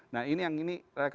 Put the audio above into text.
nah ini yang ini rekan rekan saya